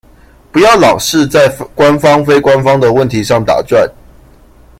不要老是在官方非官方的問題上打轉